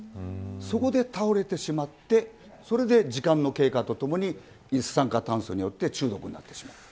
そこで倒れてしまってそれで時間の経過とともに一酸化炭素によって中毒になってしまう。